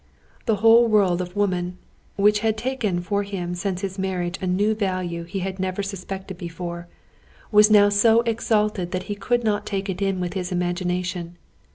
The whole world of woman, which had taken for him since his marriage a new value he had never suspected before, was now so exalted that he could not take it in in his imagination.